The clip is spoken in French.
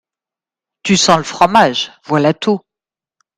Tu sens le fromage, voilà tout !